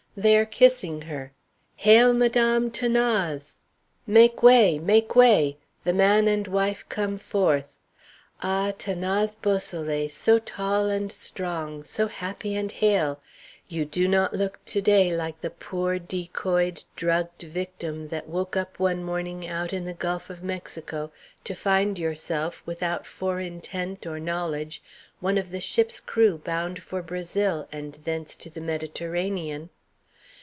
They are kissing her. Hail, Madame 'Thanase! "Make way, make way!" The man and wife come forth. Ah! 'Thanase Beausoleil, so tall and strong, so happy and hale, you do not look to day like the poor decoyed, drugged victim that woke up one morning out in the Gulf of Mexico to find yourself, without fore intent or knowledge, one of a ship's crew bound for Brazil and thence to the Mediterranean!